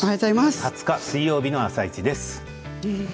１０月２０日水曜日の「あさイチ」です。